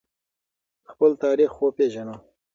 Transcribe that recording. خپل تاریخ وپیژنو.